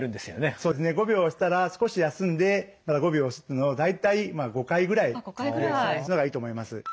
そうですね５秒押したら少し休んでまた５秒押すっていうのを大体５回ぐらい繰り返すのがいいと思います。